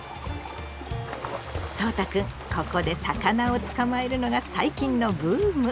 そうたくんここで魚を捕まえるのが最近のブーム。